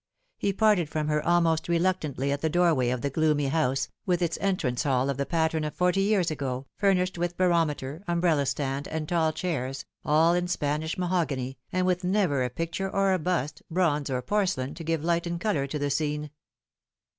He parted from her almost reluctantly at the doorway of the gloomy house, with its entrance hall of the pattern of forty years ago, furnished with barometer, umbrella stand, and tall chairs, all in Spanish mahogany, and with never a picture or a bust, bronze or porcelain, to give light and colour to the scene.